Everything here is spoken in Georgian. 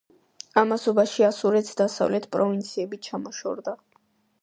ამასობაში ასურეთს დასავლეთ პროვინციები ჩამოშორდა.